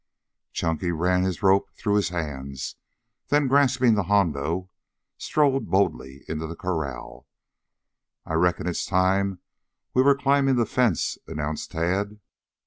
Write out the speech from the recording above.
Chunky ran his rope through his hands, then grasping the hondo, strode boldly into the corral. "I reckon it's time we were climbing the fence," announced Tad.